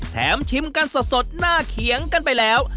ชิมกันสดหน้าเขียงกันไปแล้ว